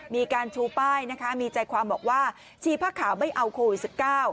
มีการชูป้ายนะคะมีใจความบอกว่าชีผ้าขาวไม่เอาโควิด๑๙